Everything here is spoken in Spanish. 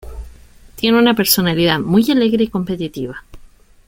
Tiene una personalidad muy alegre y competitiva.